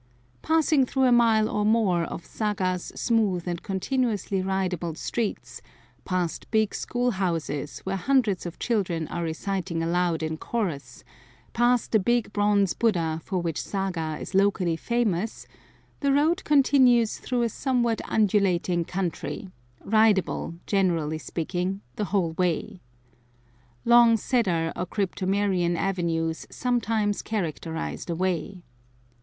Passing through a mile or more of Saga's smooth and continuously ridable streets, past big school houses where hundreds of children are reciting aloud in chorus, past the big bronze Buddha for which Saga is locally famous, the road continues through a somewhat undulating country, ridable, generally speaking, the whole way. Long cedar or cryptomerian avenues sometimes characterize the way.